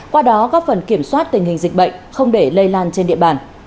qua đó góp phần kiểm soát tình hình dịch bệnh không để lây lan trên địa bàn